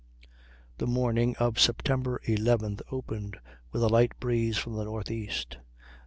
The morning of September 11th opened with a light breeze from the northeast.